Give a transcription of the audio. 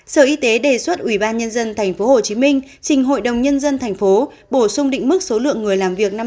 sở y tế đề xuất ủy ban nhân dân tp hcm trình hội đồng nhân dân tp bổ sung định mức số lượng người làm việc